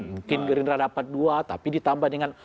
mungkin gerindra dapat dua tapi ditambah dengan